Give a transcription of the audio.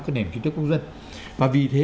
cái nền kinh tế quốc dân và vì thế